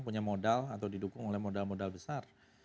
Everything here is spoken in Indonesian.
punya modal atau didukung oleh modal modal besar